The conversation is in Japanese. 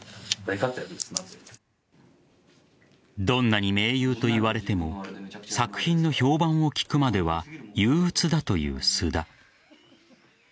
どんなに名優といわれても作品の評判を聞くまでは憂うつだという菅田。